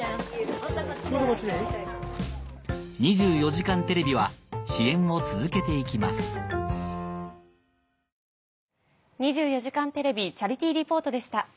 『２４時間テレビ』は支援を続けて行きます「２４時間テレビチャリティー・リポート」でした。